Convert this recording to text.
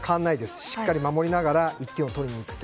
しっかり守りながら１点を取りにいくと。